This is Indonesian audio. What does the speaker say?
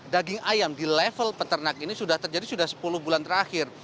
daging ayam di level peternak ini sudah terjadi sudah sepuluh bulan terakhir